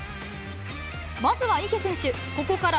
まずは池選手、ここから